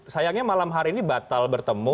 sayangnya malam hari ini batal bertemu mas suryo